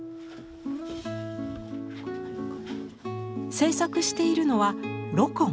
制作しているのはロコン。